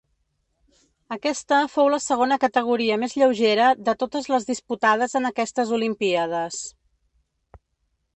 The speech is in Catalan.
Aquesta fou la segona categoria més lleugera de totes les disputades en aquestes olimpíades.